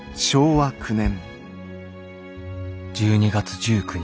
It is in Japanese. １２月１９日。